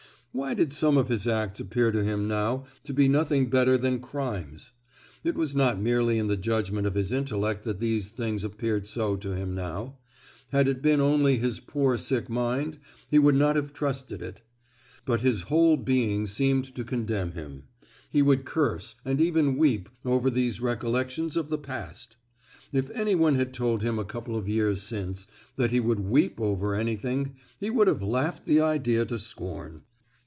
Why did some of his acts appear to him now to be nothing better than crimes? It was not merely in the judgment of his intellect that these things appeared so to him now—had it been only his poor sick mind, he would not have trusted it; but his whole being seemed to condemn him; he would curse and even weep over these recollections of the past! If anyone had told him a couple of years since that he would weep over anything, he would have laughed the idea to scorn.